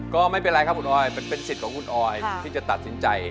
ก็ไม่เป็นไรครับคุณออยเป็นสิทธิ์ของคุณออยที่จะตัดสินใจ